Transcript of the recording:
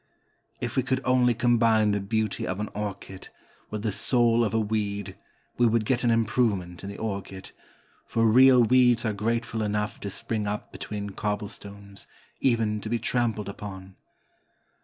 If we could only combine the beauty of an orchid with the soul of a weed we would get an improvement in the orchid, for real weeds are grateful enough to spring up between cobblestones, even to be trampled upon.